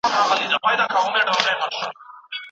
چیرته کولای سو بېړنۍ غونډه په سمه توګه مدیریت کړو؟